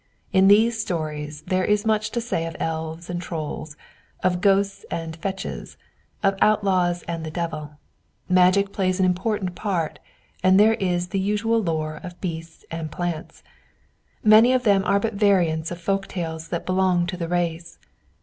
In these stories there is much to say of elves and trolls, of ghosts and "fetches," of outlaws and the devil. Magic plays an important part, and there is the usual lore of beasts and plants. Many of them are but variants of folk tales that belong to the race.